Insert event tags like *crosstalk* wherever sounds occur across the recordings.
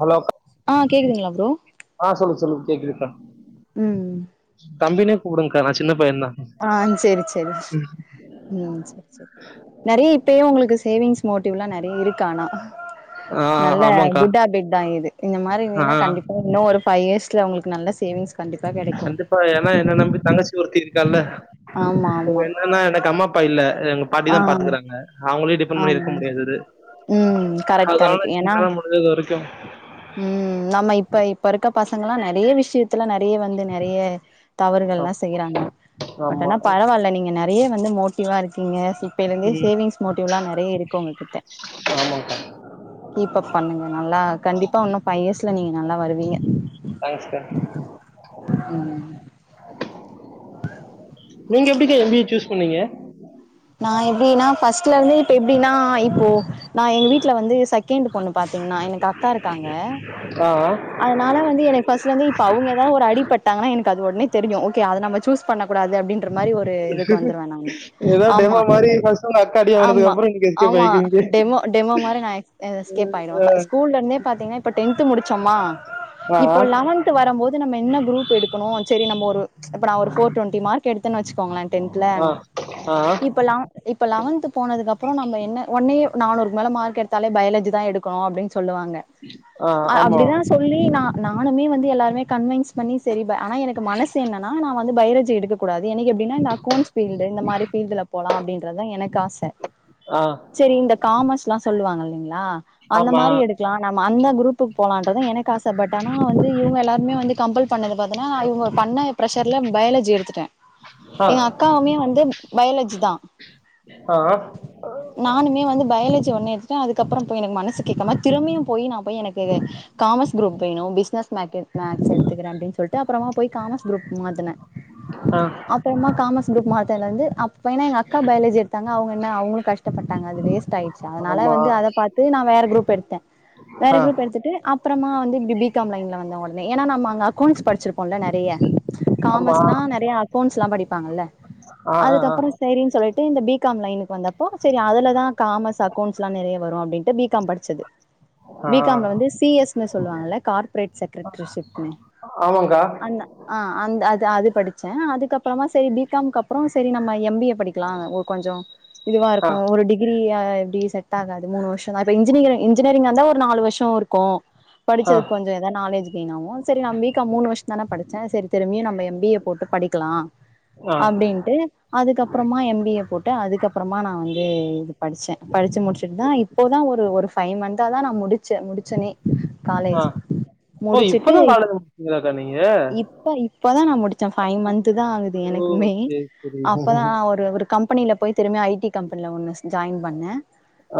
Hello ஆ கேக்குதுங்ளா bro ஆ சொல்லு சொல்லு கேக்குதுக்கா உம் தம்பினே கூபுடுங்கா நா சின்ன பையன் தான் ஆ செரி செரி உம் செரி செரி நெறை இப்பயு உங்ளுக்கு சேவிங்ஸ் மோட்டிவ்லா நெறைய இருக்கானா ஆ நல்ல ஆமாக்கா குட் ஹாபிட் தா இது இந்த மாரி ஆ இருந்தினா கண்டிப்பா இன்னு ஒரு ஃபையர்ஸ்ல உங்களுக்கு நல்ல சேவி்ங்ஸ் கண்டிப்பா ஏனா என்ன நம்பி தங்கச் சி ஒருத்தி இருக்கால்ல ஆமா போ ஆமா என்னன்னா எனக்கு அம்மா அப்பா இல்ல எங்க பாட்டி ஆ தா பாத்துக்குறாங்க அவு *unintelligible* பண்ணி இருக்க முடியாதது உம் கரெட் கரெக்ட் ஏனா முடிஞ்சது வரைக்கும் சுல்லா நெறைய வந்து நெறைய தவறுகள்லா ஆம். செய்யறானுங்க ஆமா அப்பனா பரவால்ல நீங்க நே ஏ வந்து மோட்டிவா இருக்கீங்க சி தேவை மீன்ஸ் ம் சேவிங்ஸ் மோட்டிவ்லா நெறைய இருக்கு ஒங்ககிட்ட ஆமாக்கா கீப்பப் பண்ணுங்க நல்லா கண்டிப்பா ஒன்னு ஃபை இயர்ஸ்ல நீங்க நல்லா வருவீங்க தேங்க்ஸ்க்கா நீங்க எப்டிக்கா எம் பி ஏ சூஸ் பண்ணீங்க நா எப்டினா ஃபஸ் ட்லருந்தே இப்ப எப்டினா இப்போ நா எங்க வீட்ல வந்து சகெண்டு பொண்ணு பாத்தீங்னா எனக்கு அக்கா இருக்காங்க ஆ ஆ. அதனால வந்து எனக் ஃபஸ்ட்லருந்து இப்ப அவுங்க ‌எதா ஒரு அடி பட்டாங்கனா எனக்கு அது ஒட்னே தெருஞ்சுரு ஓகேயா அத நம்ம சூஸ் பண்ண கூடாது அப்டின் ற மாரி ஒரு இதுக்கு வந்துருவே நானு ஏதோ ஆமா டெமோ மாதிரி இப்ப ஃபர்ஸ்ட் உங்க அக்கா அடி வாங்கினதுக்கு ஆமா அப்புறம் இன்னைக்கு எஸ்கேப் ஆமா ஆயிக்கிங்க டெமோ டெமோ மாரி நா எஸ் அ எஸ்கேப் ஆயிருவே ஃப ஸ்கூல்லருந்தே பாத்திங்னா இப்ப டென்த்து‌ முடி தம்மா ஆ ஆ இப்போ லவன்த்து வரம்போது நம்ம என்ன குரூப் எடுக்கணு செரி நம்ப ஒரு இப்ப நா ஒரு ஃபோர் ட்வெண்ட்டி மார்க் எடுத்தன் வச் கோங்களே டென்த்ல ஆ ஆ இப்ப லவ் இப்ப லவன்த்து போனதுக்கப்றோ நம்ப என்ன ஒன்னே நானூருக்கு மேல மார்க் எடுத்தாலே பயாலஜி தா எடுக்கணு அப்டின் சொல்லுவாங்க ஆ அ ஆமா அப்டிதா சொல்லி ஏனா நானுமே வந்து எல்லாருமே கன்வென்ஸ் பண்ணி செரிதா ஆனா எனக்கு மனசு என்னனா நா வந்து பயாலஜி எடுக்க்கூடாது எனக்கு அப்டினா இந்த அக்கவுண்ட்ஸ் ஃபீல்டு இந்த மாரி ஃபீல்டுல போலா அப்டின்றதா எனக் காச ஆ சேரி இந்த காமஸ் லா சொல்லுவாங்க இல்லைங்க ஆஹ் அந்த ஆமா மாரி எடுக்லா நம்ம அந்த குரூப் புக்கு போலான்றதா எனக்கு ஆச பட் ஆனா வந்து இவ்ங்க எல்லாருமே வந்து கம்பள் பண்ணது பாத்துனா அவ்ங்க பண்ண ப்ரெஷ்ஷர்ல பயாலஜி எடுத்துட்டே ஆ எங்க அக்காவ்மே வந்து பயாலஜி தா ஆ நானுமே வந்து பயால ஜி ஒன்னே எடுத்துட்டே அதுக்கப்ற போய் எனக்கு மனசு கேக்காம திரிமியு போய் நா போய் எனக்கு இது காமஸ் குரூப் வேணு பிஸ்னஸ் மேட்டு நா ப்ளீஸ் எடுத்துக்குறே அப்டின் சொல்ட்டு அப்றமா போய் காமஸ் குரூப்கு மாத்துனே ஆ அப்றமா காமஸ் குரூப் மாத்துனலருந்து அப்பேனா எங்க அக்கா பயாலஜி எடுத்தாங்க அவங்கென்ன அவ்ங்களு கஷ்டப்பட்டாங்க அது வேஸ்ட் ஆய்ர் ச்சு அதனால ஆமா வந்து அத பாத்து நா வேற குரூப் எடுத் வேற ஆ க்ருப் அப்றமா வந்து இப்டி பிகாம் லைன்ல வந்த ஒடனே எனா நம்ம அங்க அக்கௌண்ட்ஸ் படிச்சிருப்போம்ல நெறைய ஆமா காமஸ்னா நெறைய போன்ஸ் லா படிப்பாங்கல்ல ஆ ஆ ஆ அதுக்கப்பற ஸேரின் சொல்லிட் இந்த பி காம் லைனுக்கு வந்தப்போ ஸரி அதுலதா காமர்ஸ் அக்கவுண்ட்ஸ் லா நெறயா வரு அப்டின்ட்டு பி காம் படிச்சது பி ஆ பி காம் ல வந்து ஸி எஸ் னு சொல்றாங்கள கார்பரேட் ஸெக்ரடரி ஷிப் ஆமாங்க்கா அந் அ அ அது படிச்சே அதுக் அதுக்கப்றமா ஸரி பி காம் கப்றொ ஸரி நம்ம எம் பி ஏ படிக்லா கொஞ்சொ இதுவா ஆ இருக்கு ஒரு டிகிரி ய அ எப்டி ஸெட்டாகாது மூணு வருஷொ தா இப்ப இன்ஜினீகரா இன்ஜினெயரிங்கா இருந்தா ஒரு நாலு வர்ஷொ தோ ருக்கு ஆ படிச்சதுக் கொஞ்சொ எதா நாலேஜ் கெயின் ஆகு ஸெரி நா பி காம் மூணு வருஷந் தானே படிச்சே ஸரி திரும்யு நம்ம எம் பி ஏ போட்டு படிக்கலா ஆ அப்டின்ட்டு அதுக்கப்றமா எம் பி ஏ போட்டு அதுக்கப்றமா நா வந்து இது படிச்சே படிச்சு முடிச்சுட் தா இப்போதா ஒரு ஒரு ஃபை மந்த் தா‌ நா முடிச் முச்ச முடிச்சனே ஆ காலேஜ் ஓ முடிச்சிட்டு இப்பதான் காலேஜ் முடிச்சீங்களாக்கா நீங்க இப்ப இப்பதா நா முடிச்சே ஃபை மந்த் தா ஆவுது ஓ எனக்குமே சரி சரி அப்பதா ஒரு ஒர் கம்பெனில பொய் திரும்மி ஐடி கம்பெனில ஒன்னு ஸே ஜாயின் பண்ண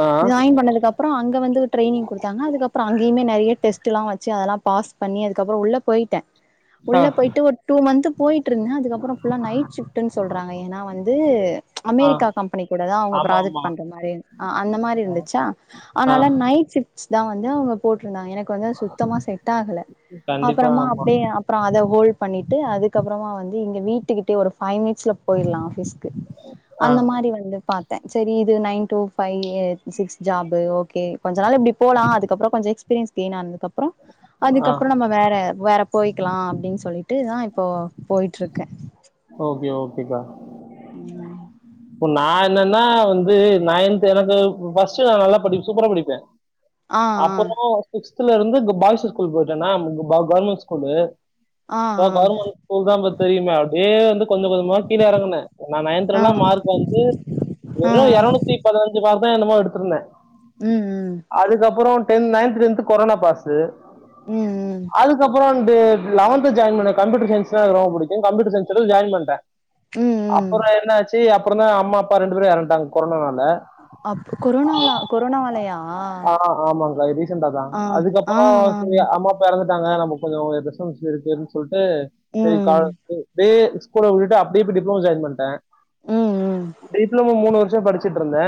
ஆ ஜாயின் பண்ணதுக்கு அப்றோ அங்க வந்து ட்ரைனிங் கொடு அதுக்கப்றோ அங்கயுமே நெறைய டெஸ்ட்லா வச் சி அதெல்லா பாஸ் பண்ணி அ கப்றோ உள்ள போயிட்டே ஆ உள்ள போயிட்டு ஒரு டூ மந்த் போயிட்டிருந்தே அதுக்கப்றோ ஃபுல்லா நைட் ஷிப்ட்னு சொல்றாங்க ஏன்னா வந்தூ ச் ஆ அமெரிக்கா கம்பெனி கூட தா அவங்க ஆமா ஆமா ப்ராஜெக்ட் பண்ற மாரி ஆ அந்த மாரி ஆ இருந்துச்சா ஆ அதனால நைட் ஷிப்ட் தா வந்து அவங்க போட்ருந்தாங்க எனக் கொஞ்சோ சுத்தமா செட் ஆகல கண்டிப்பா அப்றோமா ஆமா அப்டியே அப்றோ அத ஹோல்டு பண்ணிட்டு அதுக்கப்றோமா வந்து இங்க வீட்டுக்கிட்டேயே ஒரு ஃபைவ் மினிட்ஸ்ல போயிட்லா ஆஃபீஸ் ஆ அந்த மாரி வந்து பாத்தே சேரி இது nine two five six job okay கொஞ்ச நாள் இப்டி போலா அதுக்கப்றோ கொஞ்ச எக்ஸ்ப் பீரியன்ஸ் கெய்ன் ஆனதுக்கப் அப்றோ ஆ அதுக்கப்றோ நம்ம வேற வேற போய்க்கலா அப்டினு சொல்லிட் லிட்டு தா இப்போ போயிட்டுருக்கே *unintelligible* ம் இப்ப நா என்னென்னா வந்து நயன்த்து எனக்கு ஃபஸ் *unintelligible* நல்லா படிப் சூப்பரா படிப்பே ஆ அப்றோ ஸ் ஸ்த்துலருந்து பாய்ஸ் ஸ்கூல் போயிட்டேனா *unintelligible* கவர்மெண்ட் ஸ்கூலு ஆ ஆ இப்ப கவர்மெண்ட் ஸ்கூல் தா பத் தெரியுமா அப்டியே வந்து கொஞ்ச கொஞ்சமா கீழ எறங்குன நா ஆ ஆ நயன்த்துலலா மார்க் வந்து ஆ வெறு எறநூத்தி பதுனஞ்சு மார் மார்க்கோ என்னமோ எடுத்திருந்தே ம் ம் அதுக்கப்றோ ten ninth tenth corona pass ம் ம் அதுக்கப்றோ து லெவன்த் ஜாயின் பண்ணே கம்ப்யூட்டர் சயின்ஸ்னா எனக்கு ரொம்ப புடிக்கு கம்ப்யூட்டர் சயின்ஸ்ஸோட ஜாயின் பண்ட்டே ம் ம் அப்றோ என்னாச்சி அப் கொரானா அம்மா அப்பா ரெண்டு பேரு எறந்துடாங்க கொரோனா ல அப் கொரோனாவ்ல கொரோனாவாலயா ஆ ஆமாங்க ரீசெண்டாதா ஆ ஆ அதுக்கப்றோ ஆ சேரி அம்மா அப்பா எறந்துட் *unintelligible* நம்ம கொஞ்சோ டிஸ்டன்ஸ்ல இருக்குன்னு சொல்ட் ம் ச செரி க ம் *unintelligible* ஸ்கூலவுட்டுட்டு அப்டியே போய் டிப்ளமோ ஜாயின் பண்ட்டே ம் டிப்ளமோ மூணு வர் *unintelligible* படிச்சிட்டுருந்தே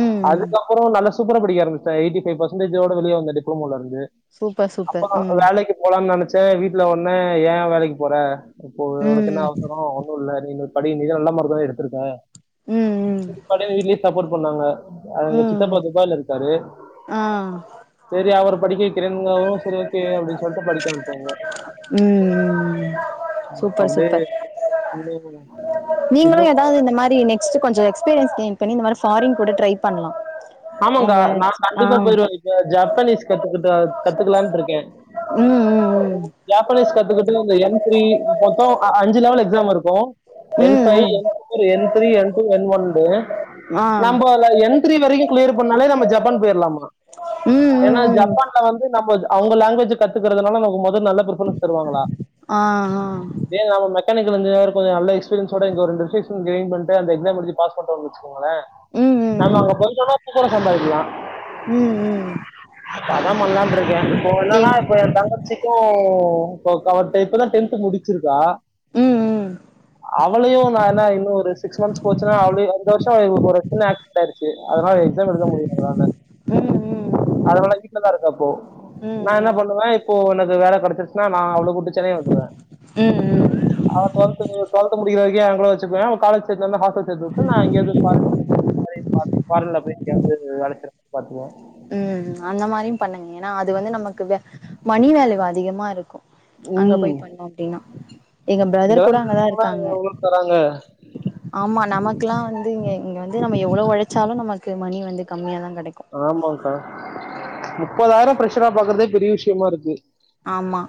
ம் ம் அதுக்கப்பறோ நல்லா சூப்பரா படிக்க ஆரம்பிச்சிட்டே எய்ட்டி ஃபைவ் பர்சன்டேஜோட வெளிய வந்தே டிப்ளமோலருந்து சூப்பர் சூப்பர் அப்பறோ ம் வேலைக்கு போலான்னு நெனச் சேர் வீட்டுல ஒடனே ஏ வேலைக்கு போற இப்போ உனக்கு ம் என்ன அவசர ஒன்னுல்ல நீன்னு படி நீ தா நல்ல மார்க் தா எடுத் திருக்க ம் ம் *unintelligible* வீட்லியே சப்போட் சொன்னாங்க ஆ எங்க ம் சித்தப்பா துபாய்ல இருக்காரு ஆ சேரி அவரு படிக்கவைப் கிறங்காவு செரி ஓகே அப்டின்னு சொல்ட்டு படிக்க அமிச்சாங்க ம் ம் சூப்பர் அப்டியே சூப்பர் *unintelligible* நீங்களு இன்னு ஏதாவது இந்த மாரி நெக்ஸ்ட்டு கொஞ்சோ எஸ்பீரியன்ஸ் கெயின் பண்ணி இந்த மாரி ஃபாரின் கூட ட்ரை பண்லா ஆமாக்கா உங்க நா ஆ கண்டிப்பா போயிருவே இப்ப ஜப்பனீஸ் கத்து இப்ப கத்துக்கலான்ட்டு இருக்கே ம் இப்போ ம் ஜப்பனீஸ் கத்துக்கிட்டு இந்த என் த்ரீ மொத்தம் அஞ்சு லெவல் எக்ஸாம் இருக்கும் என் பைவ் ம் ம் N four N three N N one ம் ஆ நம்பல எந் *unintelligible* கிளியர் பண்ணாலே நம்ம ஜப்பான் போயிடலாமா ம் ம் ஏன்னா ம் ஜப்பான்ல வந்து நம்ம அவங்க லாங்குவேஜ்ஜ கத்துகுறதுனால நமக்கு மொத் நல்ல பர்பார்மன்ஸ் தருவாங்களா ஆ ஆ இதே *unintelligible* மெக்கானிக்கல் இன்ஜினியரா கொஞ்ச நல்ல எக்ஸ்பரியன்ஸோட ரெண்டு வருஷ எக்ஸ்பீரியன்ஸ் கெய்ன் பன்ட்டு அந்த எக்ஸாம் முடிஞ்சு பாஸ் பண்ண வச்சு ங்கள ம் ம் நம்ம ம் அங்க போய்ட்டானா *unintelligible* சம்பாதிக்கலாம் ம் ம் இப்ப அதான் பண்ணலான் இருக்கேன் இப்போ நீ என்னன்னா இப்ப என் தங்கச்சிக்கும் ஓ ஓ அவ இப்பதான் டென்த் முடிச்சிருக்கா ம் ம் அவளையும் நான் ஏனா இன்னும் ஒரு சிக்ஸ் மந்த்ஸ் போச்சுன்னா அவளும் இந்த வருஷம் ஒரு சின்ன ஆக்சிடென்ட் ஆயிடுச்சு அதனால எக்ஸாம் எழுத முடியல அவலாள ம் ம் அதனால வீட்டுல தான் இருக்கா இப்போ ம் நான் என்ன ம் பண்ணுவே இப்போ எனகு வேலக் கெடச்சிருச் நா அவ்ளக் கூட்டு சென்னை வந்துருவேன் ம் ம் அவ ட்வெல்த் முட் ட்வெல்த் முடிக்ரவரைக் க்கியும் யாங்கூட வெச்சிப்பேன் அவ கால்லேச் சேந்தோன ஹாஸ்டல் சேதுட்டு நா இங்கிருந்து ஃபாரின் *inaudible* மாரி ஃபாரின்ல போய் யாவது வேல செய்ர மாரி பாத்துபோ உம் அந்த மாரிம் பண்ணுங்க ஏன்னா அது வந்து நமக்கு வே மணி வேல்வ் அதிகமாருக்கும் அங்க ம் போய் பண்ணோம் அப்டின்னா எங்க பிரதர் இங்கெல்லாம் கூட மிஞ்சி அங்கதான் போனா இருக்காங்க எவ்வளவு தராங்க ஆம்மா நமக்கில்லா வந்து இங்க வந்து நம்ம எவ்ளோ ஒழச்சாலும் நம்ம க்கு மணி வந்து கம்மியாதா கெடைக்கும் கா முப்பதாயிரம் ப்ரெஷரா பாக்குறதே பெரிய விஷ்யமா இருக்கு ஆமா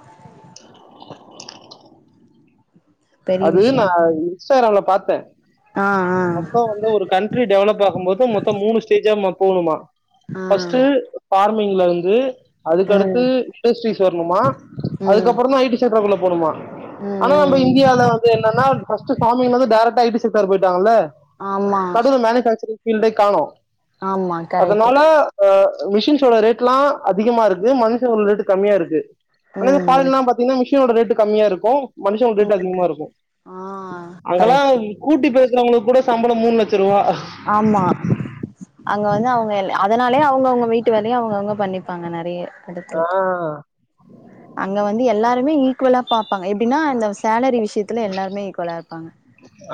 பெரிய அது விஷயோ நா இன்ஸ்டாகிராம்ல பாத் ஆ மொத்தம் வந்து ஒரு கண்ட்ரி டெவலப் ஆகும்போது மொத்தம் மூணு ஸ்டேஜா மொ போவ்ணுமா ஆ ஆ பஸ்ட்டு ஃபார் மிங்ல இருந்து அதுக்கு அடுத்து ம் இண்டெஸ்ட்ரிஸ் வர்ணுமா ம் ம் அதுக்கப்புறோந்தா ஐடி சேக்குரங்கள்ளே போணுமா ஆனா நம்ப ம் இந் ம் மொதல வந்து என்னன்னா ஃபஸ்ட் ஸ்டாமிங் வந்து டேரெக்டா ஐ டி செக்டார் போயிட்டாங்கள ஆமா நடுவுல மேனுஃபேக்ச்சரிங் ஃபீள்டே காணோ ஆமா கரெக்ட்டு அதனால ஆ ஆ மிஷின்ஸோட ரேட்ல்லா அதிகமாருக்கு மனுஷனோட ரேட்டுக் கம்மியாருக்கு ஆனா இந்த ம் ஃபாரின்ல்லா பாத்திங்னா மிஷ் ஷ்னோட ரேட்டு கம்மியாருக்கு மனு ம் வெல அதிகமாருக்கு ஆ கரெக்ட் அங்கெல்லாம் கூட்டி பெர்க் கரவங்களுக்குக் கூட சம்பளொ மூன் லச் ஆம்மா அங்க வந்து அவ்ங்க எல் அதனாலே அவ்ங்கவுங்க வீட்டு வேலேயே அவ்ங்கவுங்க பண்ணிப்பாங்க நெறைய எடத்துல ஆஹ் அங்க வந்து எல்லாருமே ஈக்குவெல்லா பாப் பாங்க எப்டின்னா இந்த சேலரி விஷ்யத்துல எல்லாருமே ஈக்குவெலா இருப்பாங்க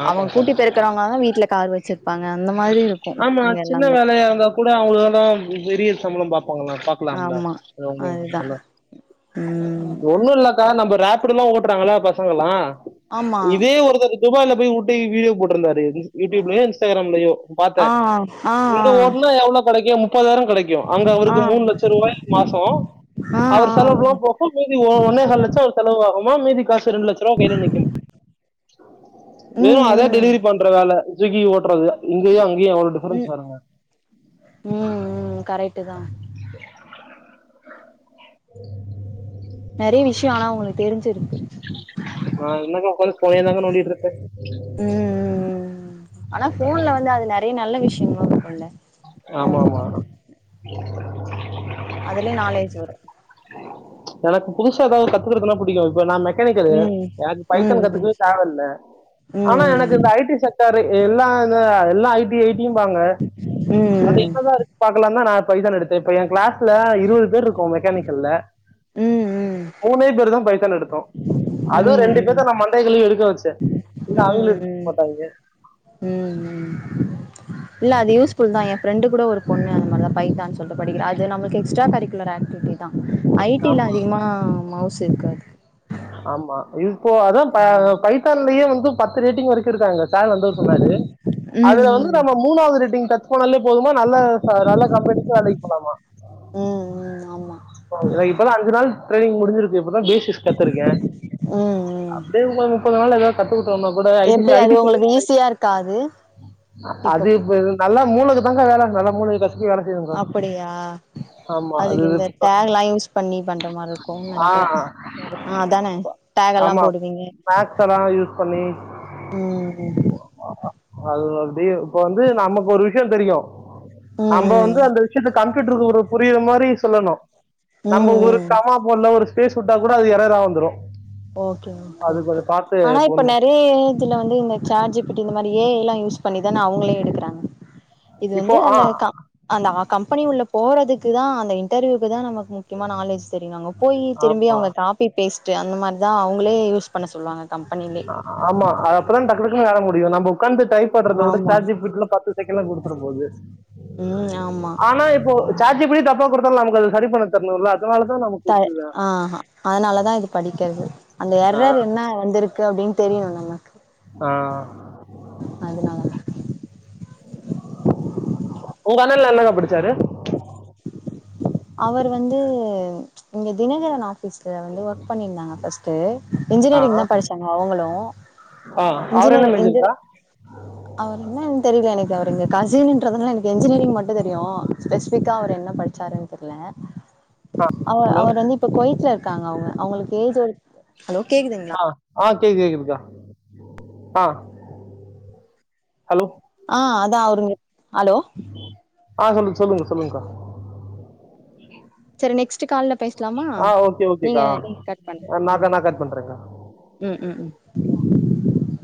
அவங்க கூட்டி பெருக்கறவங்கதா வீட்ல கார் வச்சிருப்பாங்க அந்த மாதிரி இருக்கு ஆமா அங்க சின்ன எல்லாமே வேலையா இருந்தா கூட அவங்கலாதா பெரிய சம்பள பாப் ப்பாங்கல பாக்கலாம்ல ஆமா அது ஒண்ணு அதுதா இல்லைல, ம் ஒண்ணு இல்லக்கா நம்ம ரப் பிடுலா ஓட்டுறாங்கள பசங்கலா ஆமா இதே ஒருத்தரு துபாய்ல போய் ஓட்டி வீடியோ போட்டிருந்தாரு யூடியூப்லயோ இன்ஸ்டாகிராம்லயோ பாத்த ஆ ஆ ஆ இங்க ஓட்னா எவ்ளோ கெடைக்கமு முப்பதாயிரம் கெடைக்கு, அங்க ஆ அவருக்கு மூணு லட்சரூவாயா மாசோ, ஆ அவர் செலவுலா ஆ போக மீதி ஒ ஒன்னே கால் லட்சம் செலவாகு தோ மீதி காஸ் மிச்ச ரெண்டு லட்ச ரூவா அவரு கையில நிக்கிம் வெறு ம் அதே ம் டெலிவிரி பண்ற வேல ச ஸ்விகி ஓட்றது இங்கயு அங்கயு எவளோ ம் டிஃபரென்ஸ் ம் பாருங்க ம் கரெக்ட்டு தா நெறய விஷயொ ஆனா உங்களுக்கு தெரிஞ்சிருக் நா என்னக்கா உட்காந்து ஃபோனாதாக்கா நோண்டிட்டு இருப்பே ம் ம் ம் ஆனா ஃபோன்ல வந்து அது நெறைய *inaudible* ஆமா ஃபோன்ல ஆமா அதுலயு நாலேஜ் வரு எனக்கு புதுசா எதாவது கத்துக்கறதுனா பிடிக்கு இப்ப நா மெக்கனிக்கலு ம் எனக்கு பைத்தான் ம் கத்துக்கனுன் தேவ இல்ல ம் ஆனா எனக்கு ம் இந்த ஐ டி செக்டாரு இல்லாதத எல்லா ஐ டி ஐ டி ம்பாங்க அது ம் என்னதான் இருக்குன் பாக்கலானுதா நா பைத்தான் எடுத்த இப்ப எ கிளாஸ்ல இருவது பேர் இருக்கோ மெக்கானிக்கல்ல ம் ம் மூணே பேருதா பைத்தான் எடுத்தோ அது ரெண்டு ம் பேர்த்த நா மண்டைய கழுவி எடுக்க வெச் ச இல்ல அவுங்களு எடுத்துருக்க ம் மாட்டாய்ங்க ம் ம் இல்ல அது யூஸ்ஃபுல்தா எ ஃப்ரெண்டு கூட ஒரு பொண்ணு அந்த பைதான்னு சொல்லி படிக்குறா அது நம்மளுக்கு எஸ்ட்ரா கரிக்குலர் ஆக்ட் அப்டிதா ஐடில ஆமா அதிகமா மவ்ஸ் *unintelligible* ஆமா இப்போ அதான் பைத்தான்லயே வந்து பத்து ரேட்டிங் வரைக்கு இருக்காங்க சார் வந்தவறு சொன்னாரு ம் அதுல வந்து ம் நம்ம மூணாவது ரேட்டிங்க சர்ச் கோல்லிப் போதுமா நல்ல அ நல்ல கம்பெனிக் வேலைக்கு போலாமா ம் ம் ஆமா ப்போ இல்ல இப்பதா அஞ்சு நாள் ட்ரய்னிங் முடி முடிஞ்சிருக் இப்பதா பீச் கத்துருக்கே ம் ம் அப்படியே ஒரு முப்பது நாள் எதாவது சத்துஸ் ஒங்க கூட ஐ டி எப்டி ஐ டி அது பீல்ட்ல உங்களுக்கு ட்ரை ஈஸியா இருக்கா அது இப்போ அது இப்ப நல்ல மூள இவங்க வேல நல்லா மூளைக அப்படியா ஆமா அது அதுக்கு இது இந்த இப்ப- டேக்லா யூஸ் பண்ணி பண்ற மாரி இருக்குனு ஆ நெனைக்கிற ஆமா மேக்ஸ்லா யூஸ் பண்ணி ம் அம அது அப்டி இப்ப வந்து நமக்கு ஒரு வி கியம் தெரியு ம் நம்ப வந்து ம் அந்த விஷயத்து கம் க்கிட்டுருக்கு ஒரு புரியர மாரி சொல்லணு நம்ப ஒரு ம் கமா போடல ஒரு சுட்டாலு கூட அது எறரா வந்துரு ஓகே ஓ ஓகே ஆனா இப்ப போடணும் நெறைய ஏஜ்ல வந்து இந்த சேட்ஜிபிடி இந்த மாரி ஏ ஐ எல்லா யூஸ் பண்ணிக் ஏனா அவங்களே எடுக்குறாங்க இது வந்து இப்போ ஆ அந்த கா அந்தா கம்பெனி உள்ள போறதுக்கு தா அந்த இன்டர்வியூக்கு தா நமக்கு முக்கியமா நாலேஜ் தெரினு அங்க போயி திரும்பி ஆமா அவங்க காப்பி பேஸ் சே அந்த மாரி லா அவங்களே யூஸ் ஆமா அப்புறோ டக்குனு வேல முடியு நம்ப உக்காந்து டைப் பண்றதவிட ஆமா சாட்ஜிபிடில பத்து செக்கண்ட்ல குடுத்துட போது ம் ஆமா ஆனா இப்போ சாட்ஜிப்பிடி தப்பா குடுத்தாலு நமக்கு அது சரி பண்ண தெர்ணுல்ல த ஆஹா அதனாலதா இது படிக்கது அந்த ஆ, எரர் என்ன வந்திருக் க்கு அப்டின்னு தெரியனு நமக்கு ஆ அதனால கனல்ல என்னகா பிடிச்சாரு அவர் வந்து இங்க தினகரன் ஆஃப் பீஸ்ல வந்து ஒர்க் பண்ணிருந்தாங்க ஃபஸ்ட் ஆ, இன்ஜினியரிங்தா படிச்சாங்க அவுங்களு, ஆ. அவர் என்ன இன்ஜினியரிங், இன்ஜி மேஜர்க்கா அவர் என்னன்னு தெரியல எனக்கு அவரு எங்க கசின்றதுனால எனக்கு எஜினியரிங் மட்டு தெரியு ஃபெஸ்பிக்கா அவர் என்ன படிச்சாரு தெர்ல அவ ஹலோ அவர் வந்து இப்ப குவைத்துல இரு க்காங்க அவங்க அவங்களுக்கு ஏஜ் ஒரு ஹலோ கேக்குதுங்களா ஆ ஆ கேக்குது கேக்குதுக்கா ஆ ஹலோ ஆ அதா அவருங்க ஹலோ ஆ சொல்லுங் சொல்லுங்க சொல்லுங்க்கா சேரி நெக்ஸ்ட் கால்ல பேசலாமா ஓகே நீங்க ஓகேக்கா கட் பண்ணு ம் நாக்கா நான் கட் பண்றேங்க்கா ம், ம், ம்